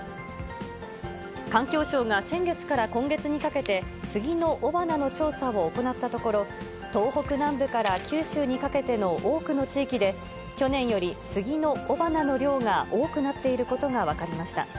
環境省が先月から今月にかけて、スギの雄花の調査を行ったところ、東北南部から九州にかけての多くの地域で、去年よりスギの雄花の量が多くなっていることが分かりました。